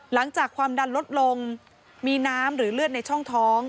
หลังจากความดันลดลงมีน้ำหรือเลือดในช่องท้อง